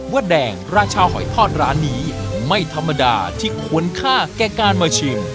ว่าแดงราชาหอยทอดร้านนี้ไม่ธรรมดาที่ควรค่าแก่การมาชิม